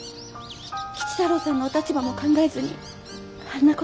吉太郎さんのお立場も考えずにあんな事。